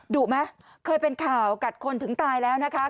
ดุไหมเคยเป็นข่าวกัดคนถึงตายแล้วนะคะ